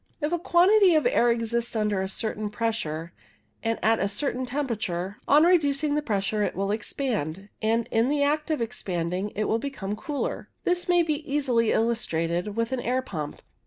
If a quantity of air exists under a certain pres sure and at a certain temperature, on reducing the pressure it will expand, and in the act of expanding it will become cooler. This may easily be illus trated with an air pump.